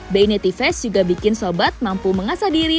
benetivest juga bikin sobat mampu mengasah diri